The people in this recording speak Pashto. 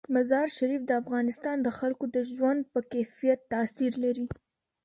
مزارشریف د افغانستان د خلکو د ژوند په کیفیت تاثیر لري.